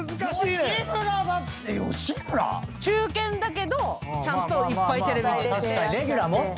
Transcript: ⁉中堅だけどちゃんといっぱいテレビ出てて。